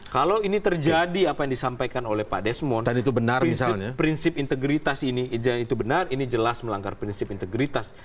kalau ini terjadi apa yang disampaikan oleh pak desmond prinsip integritas ini jelas melanggar prinsip integritas